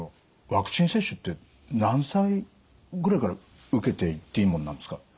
ワクチン接種って何歳ぐらいから受けていっていいもんなんですか？